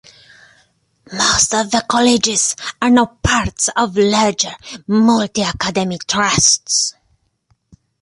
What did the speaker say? Most of the colleges are now parts of larger, multi-academy trusts.